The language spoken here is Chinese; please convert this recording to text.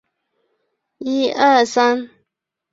本列表列出了哥斯达黎加的活火山与死火山。